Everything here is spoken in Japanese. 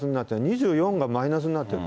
２４がマイナスになってる。